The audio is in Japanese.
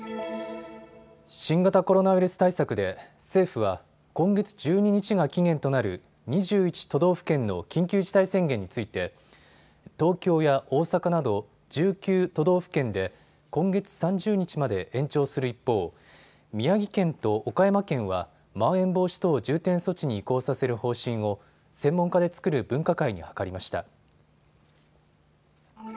新型コロナウイルス対策で政府は今月１２日が期限となる２１都道府県の緊急事態宣言について東京や大阪など１９都道府県で今月３０日まで延長する一方、宮城県と岡山県はまん延防止等重点措置に移行させる方針を専門家で作る分科会に諮りました。